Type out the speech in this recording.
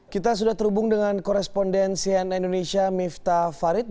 kita sudah terhubung dengan korespondensian indonesia miftah farid